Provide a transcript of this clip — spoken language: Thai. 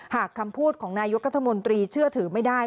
หากคำพูดของนายกรัฐมนตรีเชื่อถือไม่ได้